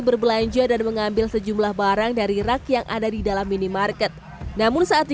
berbelanja dan mengambil sejumlah barang dari rak yang ada di dalam minimarket namun saat di